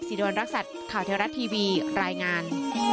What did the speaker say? วันรักษัตริย์ข่าวเทวรัฐทีวีรายงาน